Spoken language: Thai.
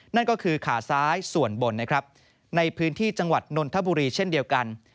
นั่นก็คือขาซ้ายส่วนบนนะครับในพื้นที่จังหวัดนนทบุรีเช่นเดียวกัน